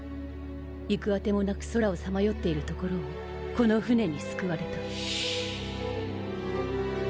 行く当てもなく宇宙をさまよっているところをこの船に救われた。